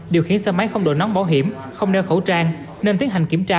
điều khiến xe máy không đổi nón bảo hiểm không đeo khẩu trang nên tiến hành kiểm tra